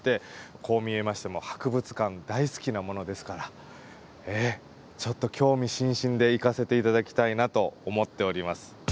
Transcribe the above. こう見えましても博物館大好きなものですからええちょっと興味津々で行かせて頂きたいなと思っております。